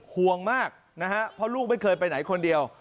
ห่วงมากนะฮะเพราะลูกไม่เคยไปไหนคนเดียว